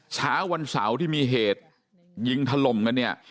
เช้าวันเสาร์ที่มีเหตุยิงถล่มกันเนี่ย